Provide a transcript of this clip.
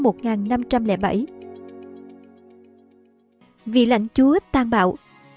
vị lãnh chúa tan bạo